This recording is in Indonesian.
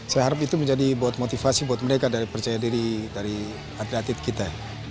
saya harap itu menjadi motivasi buat mereka dari percaya diri dari atlet atlet kita